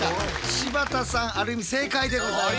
柴田さんある意味正解でございます。